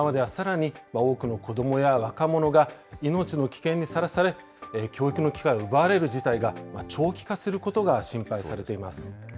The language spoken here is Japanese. このままでは、さらに多くの子どもや若者が命の危険にさらされ、教育の機会を奪われる事態が長期化することが心配されています。